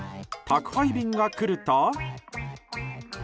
宅配便が来ると。